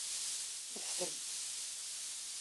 Ftel.